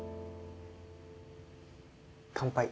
乾杯。